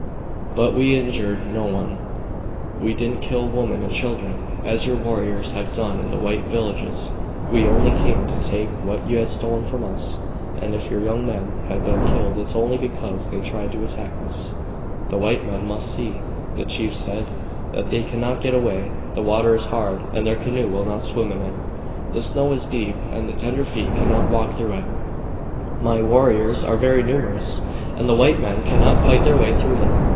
"But we injured no one. We didn't kill women and children, as your warriors have done in the white villages. We only came to take what you had stolen from us, and ef your young men have been killed it's only because they tried to attack us." "The white men must see," the chief said, "that they cannot get away. The water is hard, and their canoe will not swim in it. The snow is deep, and the tender feet cannot walk through it. My warriors are very numerous, and the white men cannot fight their way through them.